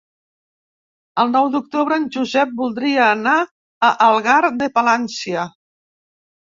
El nou d'octubre en Josep voldria anar a Algar de Palància.